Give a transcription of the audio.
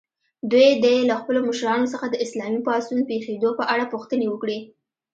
دوی دې له خپلو مشرانو څخه د اسلامي پاڅون پېښېدو په اړه پوښتنې وکړي.